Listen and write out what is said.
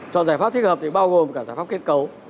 chọn giải pháp thích hợp thì bao gồm cả giải pháp kết cấu